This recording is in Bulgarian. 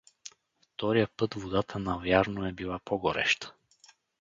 Втория път водата навярно е била по-гореща.